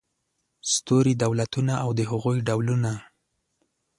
ستوري دولتونه او د هغوی ډولونه